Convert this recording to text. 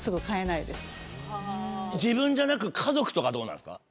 自分じゃなく家族とかはどうなんですか？